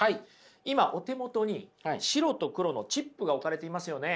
今お手元に白と黒のチップが置かれていますよね。